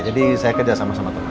jadi saya kerja sama sama temennya